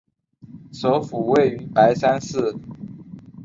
首府位于白山市。